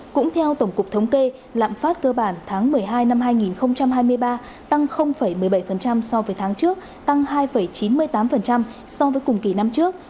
cũng theo tổng cục thống kê lạm phát cơ bản tháng một mươi hai năm hai nghìn hai mươi ba tăng một mươi bảy so với tháng trước tăng hai chín mươi tám so với cùng kỳ năm trước